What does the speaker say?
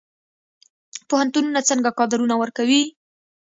پوهنتونونه څنګه کادرونه ورکوي؟